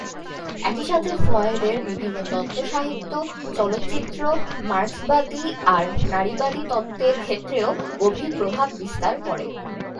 একই সাথে ফ্রয়েডের বিভিন্ন তত্ত্ব সাহিত্য, চলচ্চিত্র, মার্ক্সবাদী আর নারীবাদী তত্ত্বের ক্ষেত্রেও গভীর প্রভাব বিস্তার করে।